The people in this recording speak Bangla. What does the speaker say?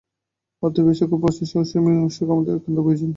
অতএব, এই-সকল প্রশ্নের সুমীমাংসা আমাদের একান্ত প্রয়োজন।